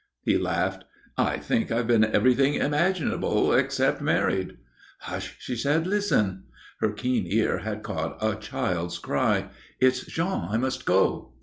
He laughed. "I think I've been everything imaginable, except married." "Hush!" she said. "Listen!" Her keen ear had caught a child's cry. "It's Jean. I must go."